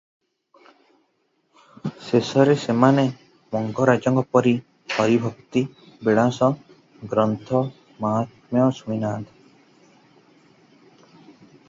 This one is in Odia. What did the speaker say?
ଶେଷରେ ସେମାନେ ମଙ୍ଗରାଜଙ୍କ ପରି ହରିଭକ୍ତି - ବିଳାସ ଗ୍ରନ୍ଥ ମାହାତ୍ମ୍ୟ ଶୁଣି ନାହାନ୍ତି ।